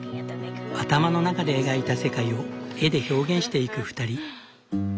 頭の中で描いた世界を絵で表現していく２人。